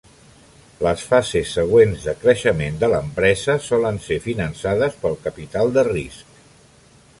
Les fases següents de creixement de l'empresa solen ser finançades pel capital de risc.